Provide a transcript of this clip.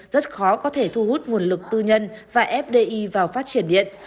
rất khó có thể thu hút nguồn lực tư nhân và fdi vào phát triển điện